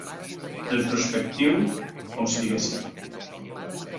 Retrospectiu, com si diguéssim.